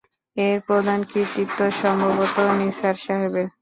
এর প্রধান কৃতিত্ব সম্ভবত নিসার সাহেবের।